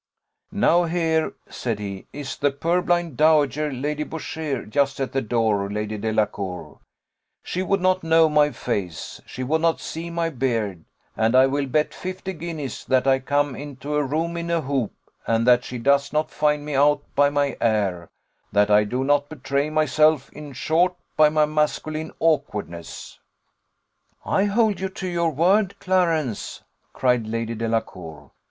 "Now here," said he, "is the purblind dowager, Lady Boucher, just at the door, Lady Delacour; she would not know my face, she would not see my beard, and I will bet fifty guineas that I come into a room in a hoop, and that she does not find me out by my air that I do not betray myself, in short, by my masculine awkwardness." "I hold you to your word, Clarence," cried Lady Delacour.